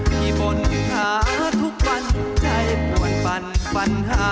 ที่บนหาทุกวันใจป่วนฟันปัญหา